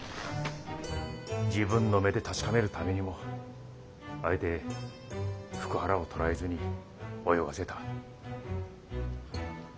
自分の目で確かめるためにもあえて福原を捕らえずに泳がせた。